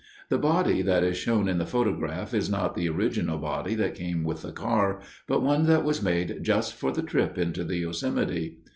The body that is shown in the photograph is not the original body that came with the car, but one that was made just for the trip into the Yosemite.